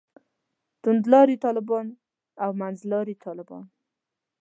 توندلاري طالبان او منځلاري طالبان.